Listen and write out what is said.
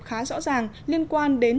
khá rõ ràng liên quan đến